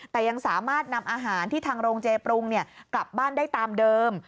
แต่ยังสามารถนำอาหารที่ทางโรงเจปรุงกลับบ้านได้ตามเดิม